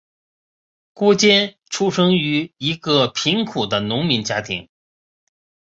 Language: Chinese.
郭坚出生于一个贫苦的农民家庭。